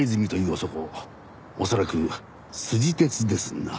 恐らくスジ鉄ですな。